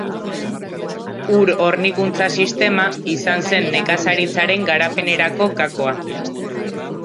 Ur hornikuntza sistema izan zen nekazaritzaren garapenerako gakoa.